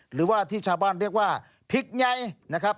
หรือว่าที่ชาวบ้านเรียกว่าพริกไงนะครับ